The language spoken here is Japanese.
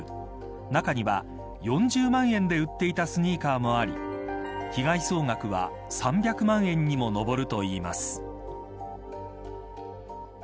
中には４０万円で売っていたスニーカーもあり被害総額は３００万円にも上るといいます。